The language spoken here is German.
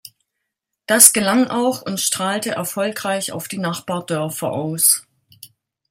Das gelang auch und strahlte erfolgreich auf die Nachbardörfer aus.